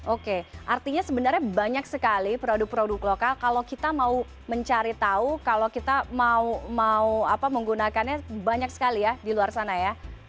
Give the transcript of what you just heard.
oke artinya sebenarnya banyak sekali produk produk lokal kalau kita mau mencari tahu kalau kita mau menggunakannya banyak sekali ya di luar sana ya